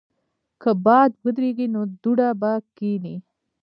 که باد ودریږي، نو دوړه به کښېني.